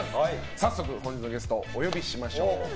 早速、本日のゲストお呼びしましょう。